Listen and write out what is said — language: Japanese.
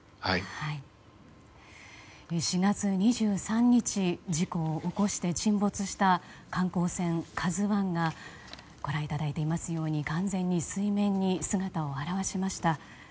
４月２３日に事故を起こして沈没した観光船「ＫＡＺＵ１」がご覧いただいていますように完全に水面に姿を現しました。